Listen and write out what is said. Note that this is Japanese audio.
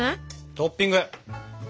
トッピング！